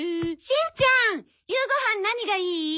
しんちゃん夕ご飯何がいい？